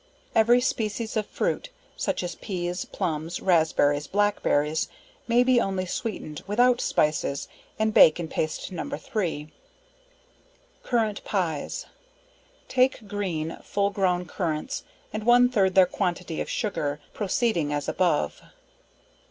Every species of fruit such as peas, plums, raspberries, black berries may be only sweetened, without spices and bake in paste No. 3. Currant Pies. Take green, full grown currants, and one third their quantity of sugar, proceeding as above.